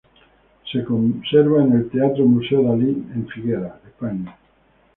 Se conserva en el Teatro-Museo Dalí, en Figueras, España.